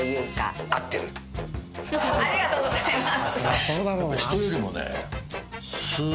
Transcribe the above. ありがとうございます。